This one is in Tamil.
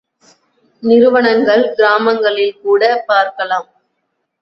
நிறுவனங்கள், கிராமங்களில் கூட பார்க்கலாம்!